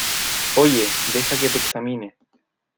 oye, deja que te examine.